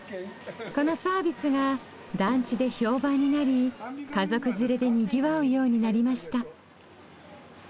このサービスが団地で評判になり家族連れでにぎわうようになりました。